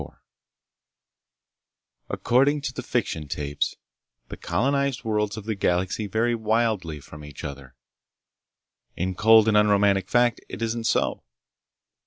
IV According to the fiction tapes, the colonized worlds of the galaxy vary wildly from each other. In cold and unromantic fact, it isn't so.